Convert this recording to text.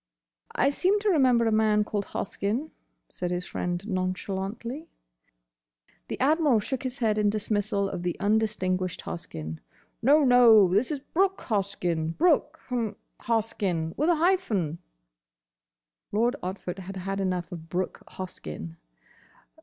"I seem to remember a man called Hoskyn," said his friend nonchalantly. The Admiral shook his head in dismissal of the undistinguished Hoskyn. "No, no. This is Brooke Hoskyn; Brooke—h'm—Hoskyn; with a hyphen." Lord Otford had had enough of Brooke Hoskyn.